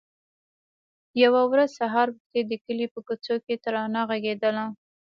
يوه ورځ سهار وختي د کلي په کوڅو کې ترانه غږېدله.